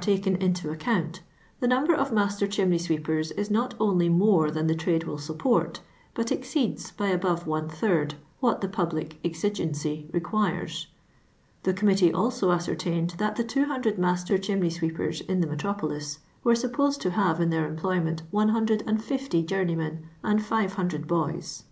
taken into the account, the number of master chimney sweepers is not only more than the trade will support, but exceeds^ by above one third, what the public exigency requires. The Com mittee also ascertained ' tliat the 200 master chimney s^^'eepers in the metropolis were sup posed to have in their employment 150 journey men and 500 boys."